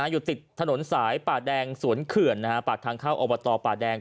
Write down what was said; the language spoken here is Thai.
อยู่ติดถนนสายป่าแดงสวนเขื่อนปากทางเข้าอบตป่าแดง